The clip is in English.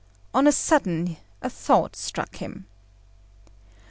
On a sudden, a thought struck him.